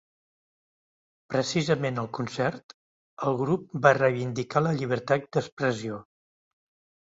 Precisament al concert, el grup va reivindicar la llibertat d’expressió.